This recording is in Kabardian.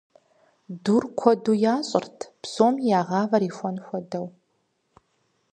Дур куэду ящӏырт, псоми я гъавэр ихуэн хуэдэу.